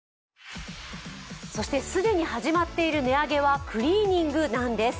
そして既に始まっている値上げはクリーニングなんです。